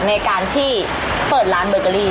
ในการที่เปิดร้านเบอร์เกอรี่